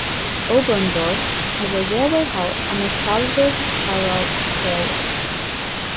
Oberndorf has a railway halt on the Salzburg-Tyrol Railway.